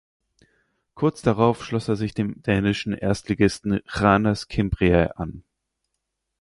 Kurz darauf schloss er sich dem dänischen Erstligisten Randers Cimbria an.